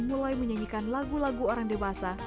mulai menyanyikan lagu lagu orang dewasa